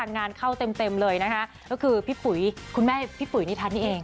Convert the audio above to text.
งานเข้าเต็มเลยนะคะก็คือพี่ปุ๋ยคุณแม่พี่ปุ๋ยนิทัศน์นี่เอง